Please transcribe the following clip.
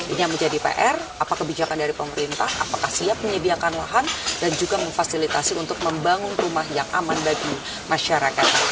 ini yang menjadi pr apa kebijakan dari pemerintah apakah siap menyediakan lahan dan juga memfasilitasi untuk membangun rumah yang aman bagi masyarakat